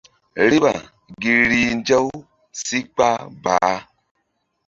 Riɓa gi rih nzaw si kpah baah.